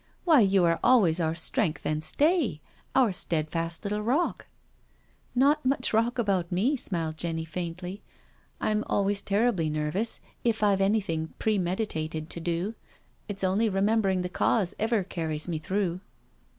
Why, you are always our strength and stay — our steadfast little rock," *' Not much rock about me/* smiled Jenny faintly, ••I'm always terribly nervous if IVe anything pre meditated to do. It*s only remembering the Cause ever carries me through.